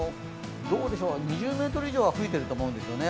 ２０メートル以上は吹いていると思うんですよね。